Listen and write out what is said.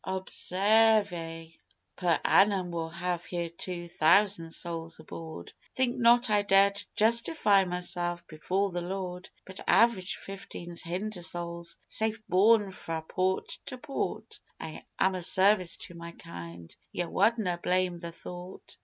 Obsairve! Per annum we'll have here two thousand souls aboard Think not I dare to justify myself before the Lord, But average fifteen hunder' souls safe borne fra' port to port I am o' service to my kind. Ye wadna' blame the thought?